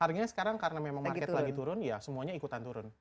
harganya sekarang karena memang market lagi turun ya semuanya ikutan turun